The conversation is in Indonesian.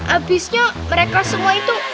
abisnya mereka semua itu